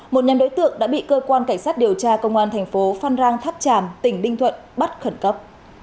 một nhóm đối tượng đã bị cơ quan cảnh sát điều tra công an thành phố phan rang tháp tràm tỉnh ninh thuận bắt khẩn cấp